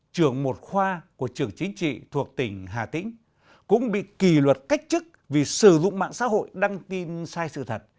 trưởng một khoa của trường chính trị thuộc tỉnh hà tĩnh cũng bị kỳ luật cách chức vì sử dụng mạng xã hội đăng tin sai sự thật